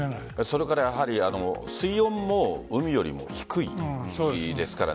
それから水温も海よりも低いですから。